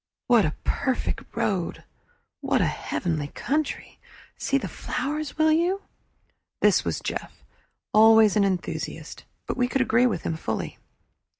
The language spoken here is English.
"What a perfect road! What a heavenly country! See the flowers, will you?" This was Jeff, always an enthusiast; but we could agree with him fully.